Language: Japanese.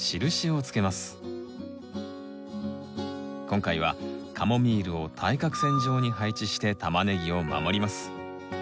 今回はカモミールを対角線状に配置してタマネギを守ります。